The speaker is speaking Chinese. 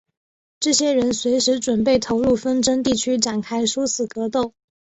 这些人随时准备投入纷争地区展开殊死格斗。